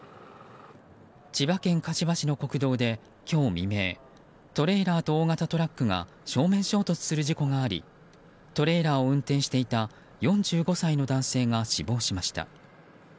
千葉県柏市の国道で今日未明トレーラーと大型トラックが正面衝突する事故がありトレーラーを運転していた４５歳の男性が死亡しました。